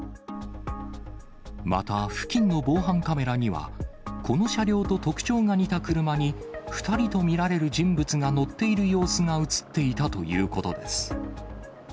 また、付近の防犯カメラには、この車両と特徴が似た車に、２人と見られる人物が乗っている様子が写っていたということです。